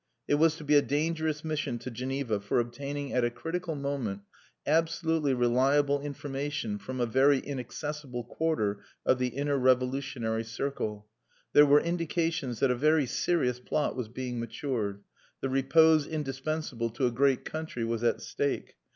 It was to be a dangerous mission to Geneva for obtaining, at a critical moment, absolutely reliable information from a very inaccessible quarter of the inner revolutionary circle. There were indications that a very serious plot was being matured.... The repose indispensable to a great country was at stake....